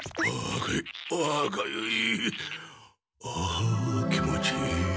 あ気持ちいい。